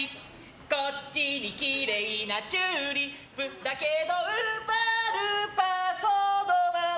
こっちにきれいなチューリップだけどウーパールーパーソードマン。